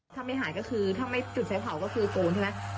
ถ้าไม่หายก็คือถ้าไม่จุดไฟเผาก็คือโกนใช่ไหม